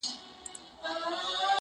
• سهار زه ومه بدنام او دی نېکنامه,